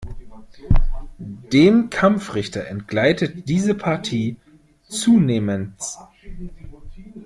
Dem Kampfrichter entgleitet diese Partie zunehmends.